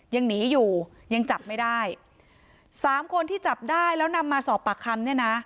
ยังหนีอยู่ยังจับไม่ได้สามคนที่จับได้แล้วนำมาสอบปากคำเนี่ยนะ